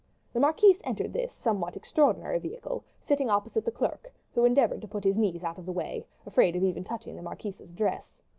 The marquise entered this somewhat extraordinary vehicle, sitting opposite the clerk, who endeavored to put his knees out of the way, afraid even of touching the marquise's dress.